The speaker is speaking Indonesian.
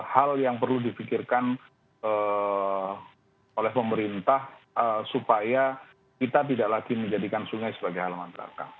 hal yang perlu dipikirkan oleh pemerintah supaya kita tidak lagi menjadikan sungai sebagai halaman belakang